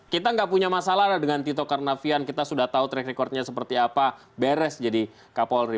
kita nggak punya masalah dengan tito karnavian kita sudah tahu track recordnya seperti apa beres jadi kapolri